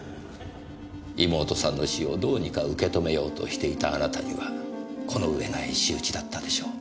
妹さんの死をどうにか受け止めようとしていたあなたにはこの上ない仕打ちだったでしょう。